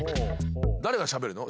誰がしゃべるの？